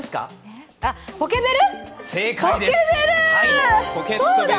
ポケベル！